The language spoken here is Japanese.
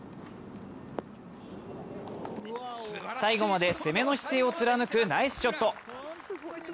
最後まで攻めの姿勢を貫くナイスショット。